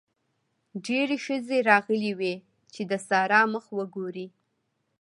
ډېرې ښځې راغلې وې چې د سارا مخ وګوري.